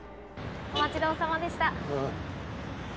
お待ちどおさまでした。